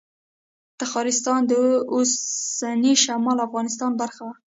تخارستان د اوسني شمالي افغانستان برخه وه